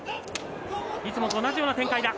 いつもと同じような展開だ。